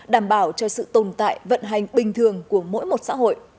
đảm bảo cho sự tồn tại vận hành bình thường của mỗi một xã hội